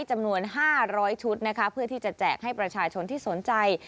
จำนวน๕๐๐ชุดนะคะเพื่อที่จะแจกให้ประชาชนที่สนใจ